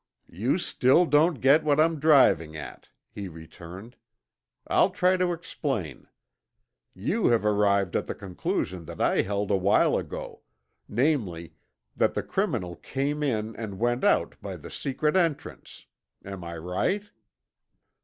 "You still don't get what I'm driving at," he returned. "I'll try to explain. You have arrived at the conclusion that I held a while ago; namely, that the criminal came in and went out by the secret entrance. Am I right?"